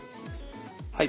はい。